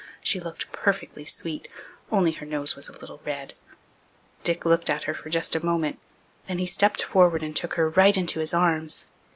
She looked perfectly sweet, only her nose was a little red. Dick looked at her for just a moment, then he stepped forward and took her right into his arms.